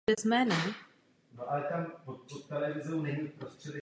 Obvykle bývá zdobeno barevnými malovanými ornamenty s rostlinnými a lidovými motivy.